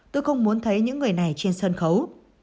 tôi không muốn thấy những người này trên sân khấu